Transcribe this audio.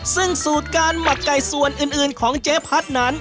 ซึ่งสูตรการหมักไก่ส่วนอื่นของเจ๊พัดนั้น